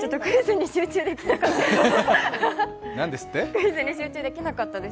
クイズに集中できなかったです。